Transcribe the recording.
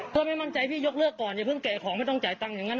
เพื่อไม่มั่นใจพี่ยกเลิกก่อนอย่าเพิ่งแก่ของไม่ต้องจ่ายตังค์อย่างนั้น